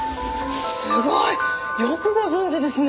すごい！よくご存じですね！